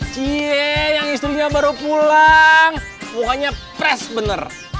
cie yang istrinya baru pulang pokoknya pres bener